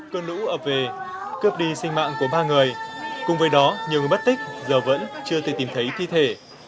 cơn lũ ập về cướp đi sinh mạng của ba người cùng với đó nhiều người mất tích giờ vẫn chưa thể tìm thấy thi thể